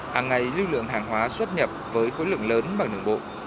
hàng ngày lưu lượng hàng hóa xuất nhập với khối lượng lớn bằng đường bộ